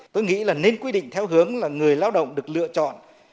tôi nghĩ là nên quy định theo hướng là người lao động được lựa chọn